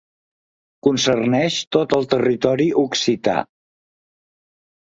Concerneix tot el territori occità.